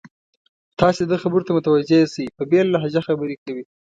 تاسې د ده خبرو ته متوجه شئ، په بېله لهجه خبرې کوي.